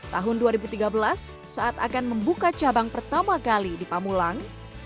tahun dua ribu tiga belas saat akan membuka cabang pertama kali di pamulang